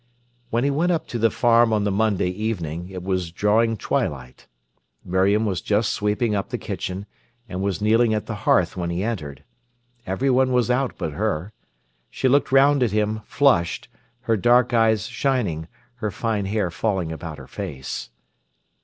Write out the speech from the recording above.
When he went up to the farm on the Monday evening, it was drawing twilight. Miriam was just sweeping up the kitchen, and was kneeling at the hearth when he entered. Everyone was out but her. She looked round at him, flushed, her dark eyes shining, her fine hair falling about her face.